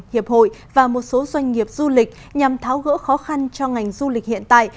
hiệp hội và một số doanh nghiệp du lịch nhằm tháo gỡ khó khăn cho ngành du lịch hiện tại